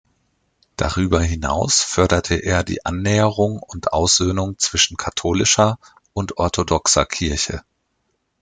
Darüber hinaus förderte er die Annäherung und Aussöhnung zwischen katholischer und orthodoxer Kirche.